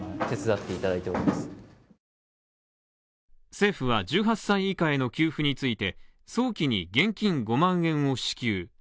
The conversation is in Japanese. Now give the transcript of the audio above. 政府は１８歳以下への給付について、早期に現金５万円を支給。